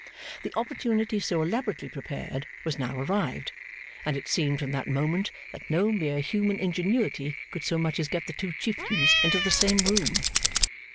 The opportunity so elaborately prepared was now arrived, and it seemed from that moment that no mere human ingenuity could so much as get the two chieftains into the same room.